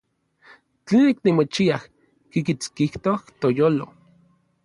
Tlenik timochiaj kikitskijtok n toyolo.